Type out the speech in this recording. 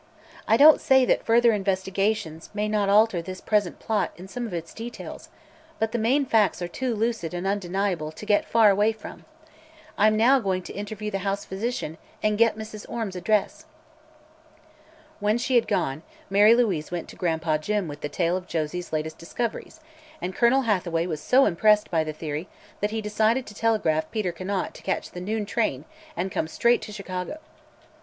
I don't say that further investigations may not alter this present plot in some of its details, but the main facts are too lucid and undeniable to get far away from. I'm now going to interview the house physician and get Mrs. Orme's address." When she had gone, Mary Louise went to Gran'pa Jim with the tale of Josie's latest discoveries and Colonel Hathaway was so impressed by the theory that he decided to telegraph Peter Conant to catch the noon train and come straight to Chicago.